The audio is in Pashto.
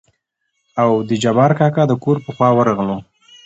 او د جبار کاکا دکور په خوا ورغلو.